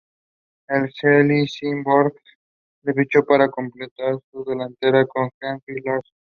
El Helsingborgs le fichó para completar su delantera, con Henrik Larsson.